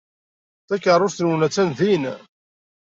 Takeṛṛust-nwen attan din.